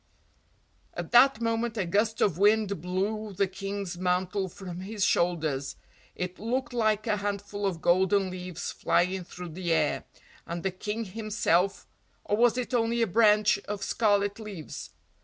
At that moment a gust of wind blew the King's mantle from his shoulders; it looked like a handful of golden leaves flying through the air, and the King himself or was it only a branch of scarlet leaves?